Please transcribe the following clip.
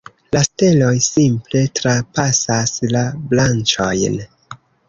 La steloj simple trapasas la branĉojn.